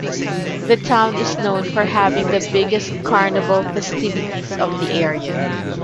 The town is known for having the biggest carnaval festivities of the area.